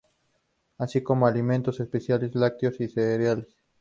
Así como alimentos, especialmente lácteos y cereales.